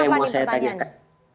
yang mau saya tanyakan